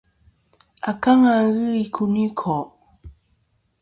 Akaŋa ghɨ i kuyniko'.